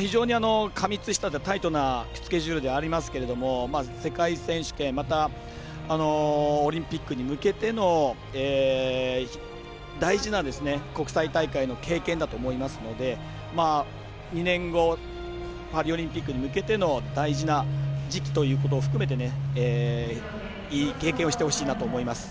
非常に過密したタイトなスケジュールではありますけれども世界選手権またオリンピックに向けての大事な国際大会の経験だと思いますので２年後パリオリンピックに向けての大事な時期ということを含めていい経験をしてほしいなと思います。